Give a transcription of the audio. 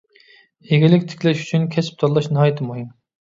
ئىگىلىك تىكلەش ئۈچۈن كەسىپ تاللاش ناھايىتى مۇھىم.